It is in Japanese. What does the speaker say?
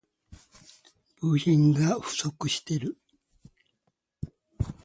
部品が不足している